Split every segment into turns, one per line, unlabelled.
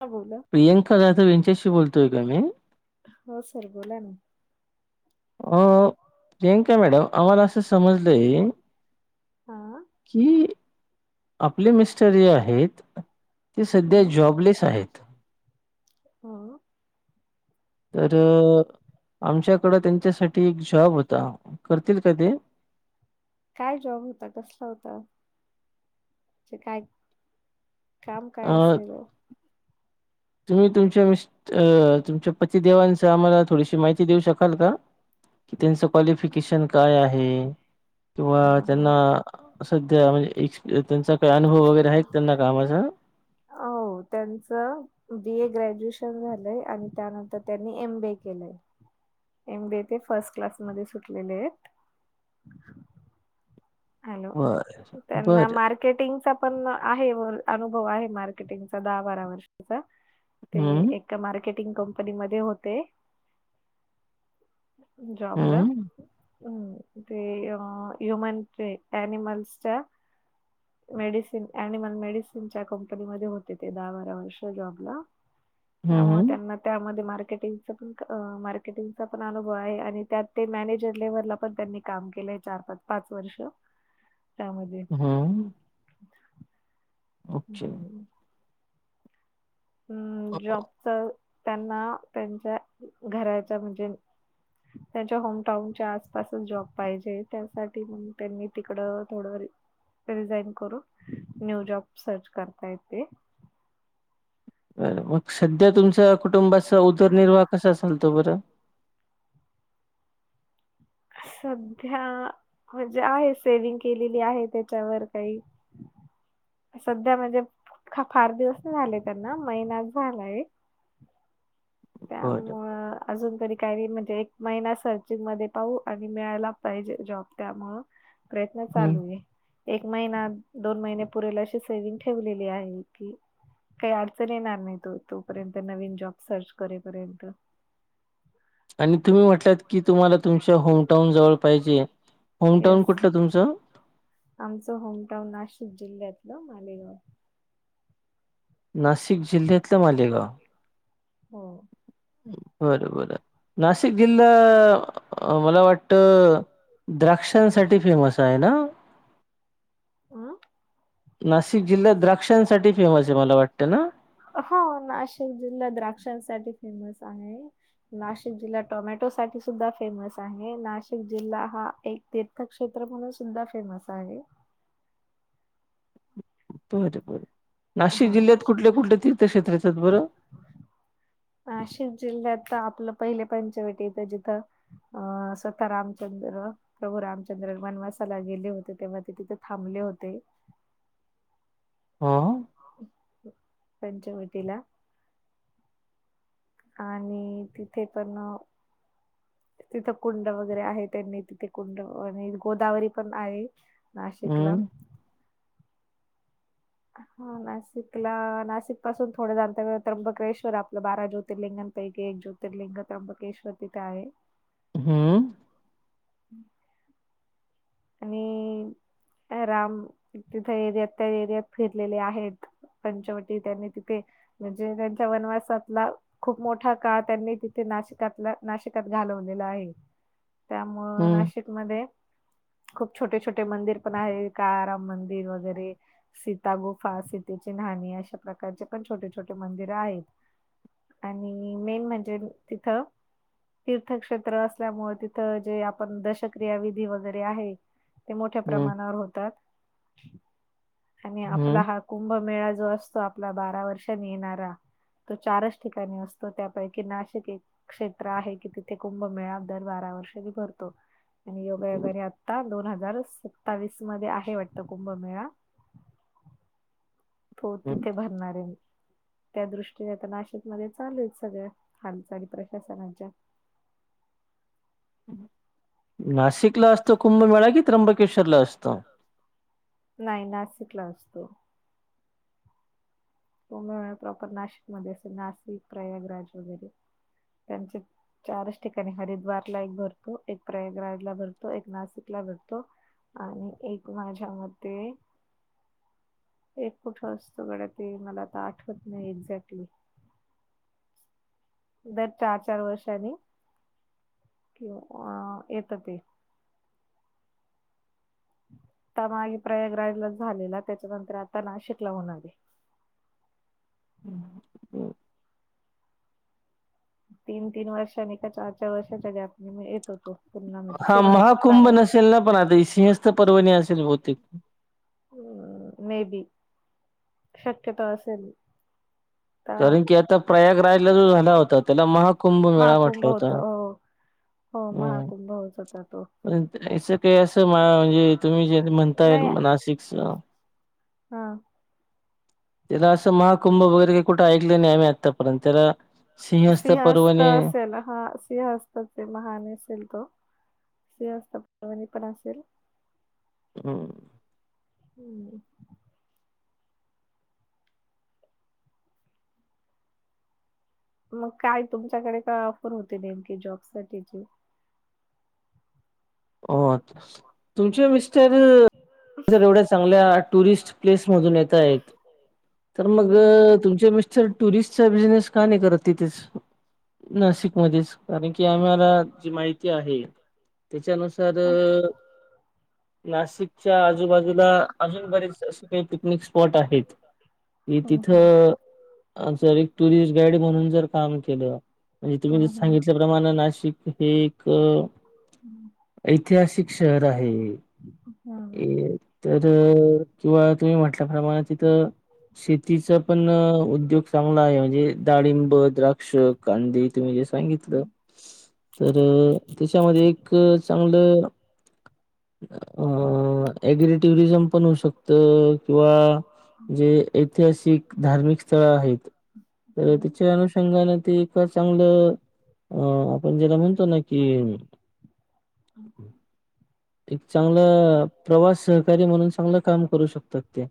का बोलला.
प्रियांका जाधव यांच्याशी बोलतोय का मी.
हो सर बोला ना.
हो प्रियांका मॅडम आम्हाला असं समजलं.
हा.
कि आपले मिस्टर ज आहेत. ते
हा
सध्या जॉबलेस आहेत.
हा.
तर आमच्याकड त्यांच्यासाठी एक जॉब होता करतील का ते
काय जॉब होता कसला होता काय काम काय
अ,
असेलो
तुम्ही तुमच्या मिस् तुमच्या पतदेवांच आम्हाला थोडीशी माहिती देऊ शकाल का की त्यांचं क्वालिफिकेशन काय आहे किंवा
हा
त्यांना सध्या म्हणजे त्यांचा काही अनुभव वगैरे आहे त्यांना कामाचा
हो तेचं बी ए ग्रॅज्युएशन झालंय आणि त्यानंतर त्यांनी एम बीए केलंय एम बी ते फर्स्ट क्लासमध्ये सुटलेले आहेत हॅलो
बरं,
त्यांना
बरं.
मार फिंटीगचा पण आहे अनुभव आहे मार्केटिंगचा दहा बारा वर्षाचा ते
हं,
एका मार्केटिंग कंपनीमध्ये होते जॉबला
हं.
हम् ते यमन एनिमलस च्या
[unintelligible]
मेडिसिन अनिमल मेडिसिनच्या कंपनीमध्ये होते ते दहा बारा वर्ष जॉबला
हं,
त्यामुळे
हं.
त्यांना त्यामध्ये मार्केटिंग मार्केटिंगचा पण अनुभव आहे आणि त्यात ते मॅनेजर लेव्हलला पण त्यांनी काम केलंय चार पाच पाच वर्ष त्यामध्ये
हम्म
हम अम् जॉबच त्यांना त्यांच्या घराच्या म्हणजे त्यांच्या होमटाऊनच्या आसपासच जॉब पाहिजे त्यासाठी त्यांनी तिकड थोडं रिझाईन करून न्यू जॉब सर्च करता येते
बर मग सध्या तुमच्या कुटुंबाचा उदरनिर्वाह कसा चालतो बरं
सध्या म्हणजे आहे सेव्हिंग केलेली आहे त्याच्यावर काही सध्या म्हणजे फार दिवस नाही झाले त्यांना महिनाच झालाय
होय काय
त्यामुळं अजून तरी काही म्हणजे एक महिना सर्चिंग मध्ये पाहू आणि मिळायला पाहिजे जॉब त्यामुळ प्रयत्न
हं.
चालू आहे एक महिना दोन महिने पुरेल अशी सेव्हिंग ठेवलेली आहे की काही अडचण येणार नाही तो तोपर्यंत नवीन जॉब सर्च करेपर्यंत
आणि तुम्ही म्हटलात की तुम्हाला तुमच्या होमटाऊन जवळ पाहिजे होमटाऊन
येस
कुठल तुमचं
आमचं होमटाउन नाशिक जिल्ह्यातलं मालेगाव
नाशिक जिल्ह्यातलं मालेगाव
हो
बरबर नाशिक जिल्हा मला वाटत द्राक्षांसाठी फेमस आहे ना
आं
नाशिक जिल्ह्यात द्राक्षांसाठी फेमस आहे मला वाटत ना
हा नाशिक जिल्हा द्राक्षांसाठी फेमस आहे नाशिक जिल्हा टोमॅटो साठी सुद्धा फेमस आहे नाशिक जिल्हा हा एक ते तीर्थ क्षेत्र म्हणून सुद्धा फेमस आहे
बर बर नाशिक
हा
जिल्ह्यात कुठल्या कुठल्या तीर्थक्षेत्र आहेत बरं
नाशिक जिल्ह्यात आपलं पहिले पंचवटीत जिथं, अं सखा रामचंद्र प्रभू रामचंद्र वनवासाला गेले होते, तेव्हा ते तिथे थांबले होते.
हं
पंचवटीला आणि तिथे पण अ तिथं कुंड वगैरे आहे, त्यांनी तिथे कुंड आणि गोदावरी पण आहे. नाशिकला
हं.
हा नाशिकला, नाशिक पासून थोडंच अंतरावर त्र्यंबकेश्वर आपलं बारा ज्योतिर्लिंगान पैकी एक ज्योतिर्लिंग त्र्यंबकश्वर तिथं आहे.
हं
[unintelligible] आणि आ राम तिथं एरियात त्या एरियात फिरलेले आहेत. पंचवटी त्यांनी तिथे म्हणजे त्यांच्या वनवासातला खूप मोठा काळ त्यांनी तिथे नाशिकातला नाशिकात घालवलेला आहे. त्यामुळं
हं,
नाशिकमध्ये खूप छोटे -छोटे मंदिर पण आहे. काळा राम मंदिर वगैरे, सीता गुफा, सीतेची न्हाणी अशा प्रकारचे पण छोटे- छोटे मंदिर आहेत. आणि मेन म्हणजे तिथं तीर्थक्षेत्र असल्यामुळे तिथं जे आपण दशक्रिया विधी वगैरे आहे, ते मोठ्या
हं,
प्रमाणावर होतात आणि आपला
हं,
हात कुंभमेळा जो असतो आपला बारा वर्षांनी येणारा, तो चारच ठिकाणी असतो त्यापैकी नाशिक एक- क्षेत्र आहे की, तिथे कुंभमेळा दर बारा वर्षांनी भरतो. आणि योगायोगाने आता दोन हजार सत्तावीस मध्ये आहे वाटतं कुंभमेळा. तो
हं.
तिथे भरणारे मी त्या दृष्टीने आता नाशिकमध्ये चालू आहेत सगळ्यां हालचाली प्रशासनाच्या.
नाशिकला असतो कुंभमेळा की त्र्यंबकेश्वर ला असतो?
नाही नासिकला असतो. कुंभमेळा प्रॉपर नाशिकमध्ये असे नाशिक, प्रयागराज वगैरे त्यांचे चारच ठिकाणी हरिद्वारला एक भरतो, एक प्रयागराज ला भरतो, एक नाशिकला भरतो, आणि एक माझ्या मते, एक कुठं असतो गडत ते मला आता आठवत नाही एक्झॅक्टली. दर चार- चार वर्षांनी किंवा येतं ते, आता मागे प्रयागराजलाच झालेला, त्याच्यानंतर आता नाशिकला होणार ये.
हू
तीन-तीन वर्ष नाही तर चार-चार वर्षाच्या गॅपने म येतो तो पूर्ण म्हणजे फिरून एक बारा,
असेल ना पण आता सिंहस्थ पर्वणी असेल बहुतेक
ह मे बी शक्यतो असेल, तर
कारण की आता प्रयागराजला जो झाला होता, त्याला 'महाकुंभ मेळा'
महाकुंभ
म्हटलं
होत
होता.
हो हो महाकुंभच होता तो.
या काही असं म्हणजे तुम्ही जे म्हणताय नाशिकचं
हां
तेला असं महाकुंभ वगैरे, कुठं ऐकलं नाही आम्ही आत्तापर्यंत त्याला सिंहस्थ पर्वणी
त्याला हा, सिंहस्ता महान असेल तो, सिंहस्त पवणी पण असेल.
ह.
हम्म. मग काय तुमच्याकडे काय ऑफर होते बँकेत जॉब साठीची.?
हो तुमचे मिस्टर जर एवढ्या चांगल्या टुरिस्ट प्लेस मधून येत आहेत, तर मग,
हम्म
तुमचे मिस्टर टुरिस्टचा बिजनेस का नाही करत तिथेच? नाशिक मधेच, कारण की आम्हाला जी माहिती आहे, त्याच्यानुसार तर ऽनाशिकच्या आजूबाजूला अजून बरेच स्पेस पिकनिक स्पॉट आहेत, की
हम्म
तिथं सर एक टुरिस्ट गाईड म्हणून जर काम केलं, म्हणजे तुम्ही
हम्म
जसं
हम्म
सांगितल्याप्रमाणे नाशिक हे एक,
हम्म.
ऐतिहासिक शहर आहे,,
हम्म
तर किंवा तुम्ही म्हटल्याप्रमाणे तिथं शेतीचा पण उद्योग चांगला आहे,, म्हणजे डाळिंब, द्राक्ष, कांदी तुम्ही जे सांगितलं, तर त्याच्यामध्ये एक अ् ॲग्री टुरिझम पण होऊ शकत. अ किंवा, जे ऐतिहासिक धार्मिक स्थळं आहेत. तर
हम्म
तिच्या अनुषंगाने ते इतकं चांगलं, अ आपण ज्याला म्हणतो ना की एक चांगलं, प्रवास सहकारी म्हणून चांगलं काम करू शकतात ते.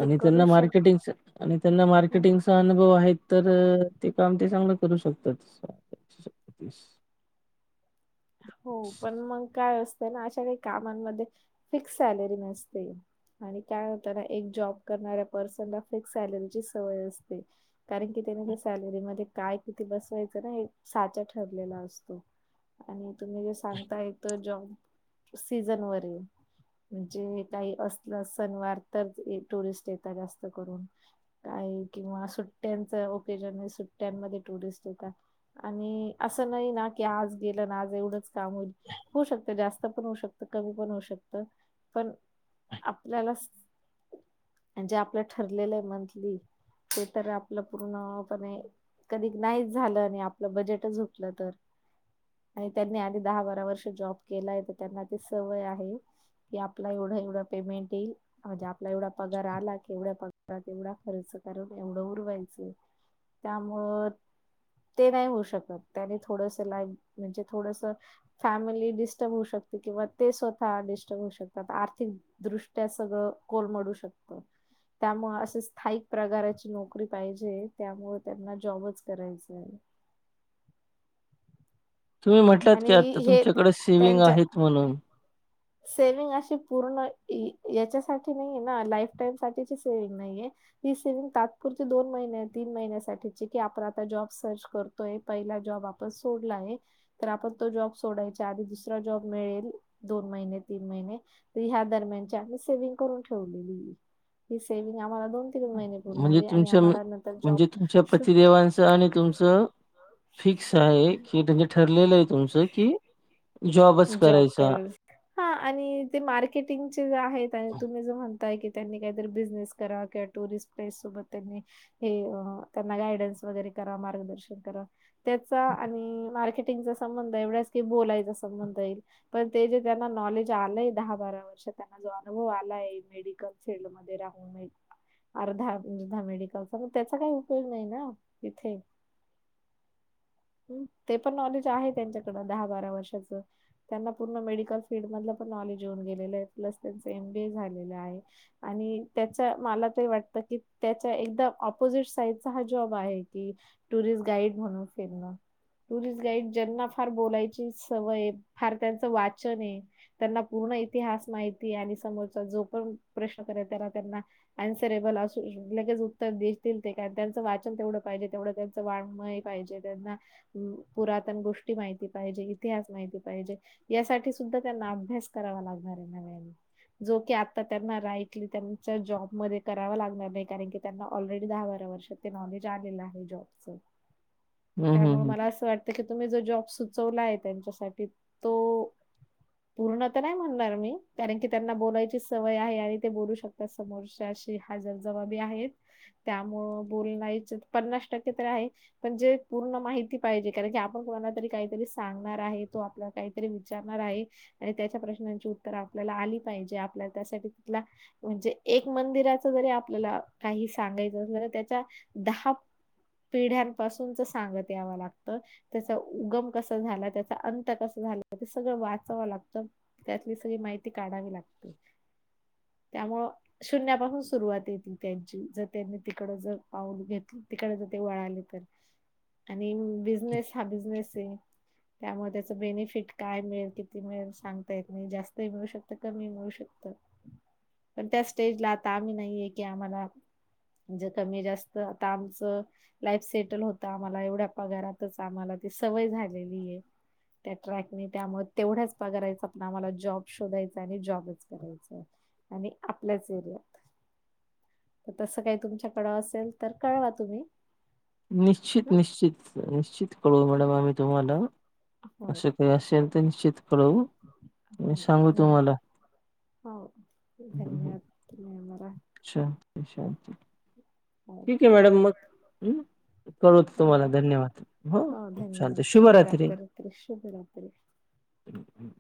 ते
आणि त्यांना
करू शकता
मार्केटिंग, आणि त्यांना मार्केटिंग चा अनुभव आहे तर, ते काम ते चांगलं करू शकतात.
हो, पण मग काय असतंय ना, अशा काही कामांमध्ये फिक्स सॅलरी नसते. आणि काय होतं ना, एक जॉब करणाऱ्या पर्सन ला फिक्स सॅलरीची सवय असते. कारण की त्याने त्या सॅलरीमध्ये काय किती बसवायचं ना हे साचा ठरलेला असतो. आणि तुम्ही जे सांगताय तर जॉब सीझनवरील. म्हणजे काही असलं सनवार तर टुरिस्ट येतात जास्त करून. काही किंवा सुट्ट्यांच ओकेजन, सुट्ट्यांमध्ये टुरिस्ट येतात. आणि असं नाही ना की आज केल ना, आज एवढंच काम होईल, होऊ शकतं जास्त पण होऊ शकतं कमी पण होऊ शकत. पण आपल्याला जे आपलं ठरलेलं आहे मंथली ते तर आपलं पूर्णपणे कधी नाहीच झालं, आणि आपलं बजेटच झुटलं तर आणि त्यांनी आधी दहा बारा वर्ष जॉब केलाय तर त्यांना ती सवय आहे. की आपला एवढा एवढा पेमेंट येईल. म्हजे आपला एवढा पगार आला, की एवढ्या पगारात एवढा खर्च करून एवढं उरवायचं. त्यामुळं ते नाही होऊ शकत, त्याने थोडस लाईफ म्हणजे थोडस फॅमिली डिस्टर्ब होऊ शकते, किंवा ते स्वतः डिस्टर्ब होऊ शकतात. आर्थिक दृष्ट्या सगळं कोलमडू शकतं. त्यामुळ अस स्थायिक प्रकाराची नोकरी पाहिजे, त्यामुळे त्यांना जॉबच करायच आहे.
तुम्ही म्हटल्यात की
आणि
आता
हे
तुमच्याकडे सेविंग
त्यांच्या
आहेत म्हणून.
सेव्हिंग अशी पूर्ण, याच्यासाठी नाहीये ना, लाईफ टाईम साठीची सेव्हिंग नाहीये. ही सेविंग तात्पुरती दोन महिन्या तीन महिन्यासाठीची की आपण आता जॉब सर्च करू पहिला जॉब आपण सोडला आहे तर, आपण तो जॉब सोडायचा आधी दुसरा जॉब मिळेल दोन महिने तीन महिने ह्या दरम्यानची आम्ही सेव्हिंग करून ठेवलेली आहे. ही सेविंग आम्हाला दोन
म्हणजे
आहे आणि
तुमच्या
आम्हाला नंतर
म्हणजे तुमच्या
जॉब
पतिदेवांचं आणि तुमचं? फिक्स आहे? की म्हणजे ठरलेलं आहे तुमचं कि जॉबच करायचा.
हा आणि ते मार्केटिंगचे जे आहेत आणि तुम्ही जो म्हणताय की त्यांनी काहीतरी बिझनेस करा किंवा टुरिस्ट प्लेस सोबत त्यांनी हे त्यांना गायडन्स वगैरे करा मार्गदर्शन करा. त्याचा आणि मार्केटिंगचा संबंध एवढाच की, बोलायचा संबंध येईल पण ते जे? ज्यांना नॉलेज आलंय दहा बारा वर वर्ष जो अनुभव आलाय मेडिकल फील्ड मध्ये राहून ही अर्धा अर्धा मेडिकलचा मग त्याचा काही उपयोग नाही ना? इथे. ते पण नॉलेज आहे त्यांच्याकड दहा बारा वर्षाच, त्यांना पूर्ण मेडी कल फील्ड मधल पण नॉलेज येऊन गेलेलं आहे, प्लस त्यांचं एम बी ए झालेलं आहे. आणि त्याचा मला ते वाटत की त्याच्या एकदम, ऑपोजिट साईडचा हा जॉब आहे की टुरिस्ट गाईड म्हणून फिरणं. टुरिस्ट गाईड ज्यांना फार बोलायची सवय आहे, फार त्यांचं वाचन आहे. त्यांना पूर्ण इतिहास माहिती आहे समोरचा जो पण प्रश्न करेल, तर त्यांना? अन्सरेबल असू लगेच उत्तर देतील ते कारण त्यांचं वाचन तेवढं पाहिजे, तेवढं त्यांचं वांग्मय पाहिजे त्यांना, पुरातन गोष्टी माहिती पाहिजे, इतिहास माहिती पाहिजे यासाठी सुद्धा त्यांना अभ्यास करावा लागणार आहे नव्याने. जो की आता त्यांना राईटली त्यांच्या जॉबमध्ये करावा लागणार नाही कारण की त्यांना ऑलरेडी दहा बारा वर्ष ते नॉलेज आलेलं आहे जॉबच.
[inaudible]
त्यामुळे
हं.
मला असं वाटतं की तुम्ही जो जॉब सुचवला आहे त्यांच्यासाठी तो? पूर्ण तर नाही म्हणणार मी, कारण की त्यांना बोलायची सवय आहे आणि ते बोलू शकतात समोरच्याशी. ते हजरजबाबी आहेत त्यामुळ ब बोलायचं पन्नास टक्के तर आहे. पण जे पूर्ण माहिती पाहिजे कारण की आपण कोणाला तरी काहीतरी सांगणार आहे तो आपला काहीतरी विचार राही त्याच्या प्रश्नांची उत्तर आपल्याला आली पाहिजे. आपल्या त्यासाठी कुठला? म्हणजे एक मंदिराच जरी आपल्याला काही सांगायचं झालं त्याच्या दहा पिढ्यांपासूनच सांगत यावं लागतं. त्याचा उगम कसा झाला? त्याचा अंत कसा झाला? ते सगळं वाचावं लागतं, त्यातली सगळी माहिती काढावी लागते. त्यामुळं शून्यापासून सुरुवात येती त्यांची जर त्यांनी तिकड जर पाऊल घेतलं तिकडे जर ते वळाले तर
[unintelligible]
आणि बिझनेस हा बिझनेस आहे त्यामुळे त्याच बेनिफिट काय मिळेल? किती मिळेल? सांगता येत नाही जास्तही मिळू शकत, कमी ही मिळू शकत. पण त्या स्टेजला आता आम्ही नाही आहेे की आम्हाला म्हणजे कमी जास्त आता आमचं लाईफ सेटल होत आम्हाला एवढ्या पगारातच आम्हाला ती सवय झालेली आहे. त्या ट्रॅक आणि त्यामुळे तेवढ्याच पगाराचा आम्हाला जॉब शोधायचा आणि जॉबच करायचाय. आणि आपल्याच एरियात. तर तसं काही तुमच्याकडं असेल? तर कळवा तुम्ही.
निश्चित,
ह
निश्चित, निश्चित कळवू मॅडम आम्ही तुम्हाला
हो
असे? असेल तर निश्चित कळवू आणि
हो
सांगू
झाले
तुम्हाला
हो धन्यवाद मॅम रा
चालतंय चालतंय. ठीक आहे
ओके
मॅडम मग हम्म कळवतो
हो
तुम्हाला धन्यवाद हो. चालत. शुभरात्री. [inaudible]